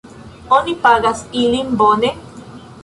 Oni pagas ilin bone?